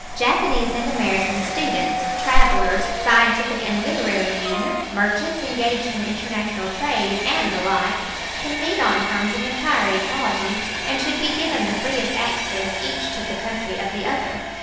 Japanese and American students, travelers, scientific and literary men, merchants engaged in international trade, and the like can meet on terms of entire equality and should be given the freest access each to the country of the other.